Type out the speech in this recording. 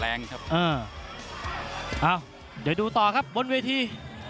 เอ้าจะดูต่อครับบนเวที